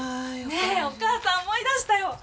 ねえお母さん思い出したよ！